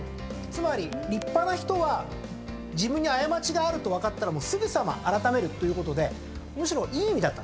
つまり立派な人は自分に過ちがあると分かったらすぐさま改めるっていうことでむしろいい意味だったんですね。